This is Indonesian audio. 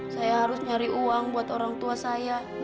saya harus nyari uang buat orang tua saya